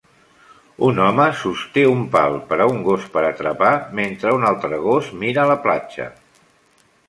Un home sosté un pal per a un gos per atrapar mentre un altre gos mira a la platja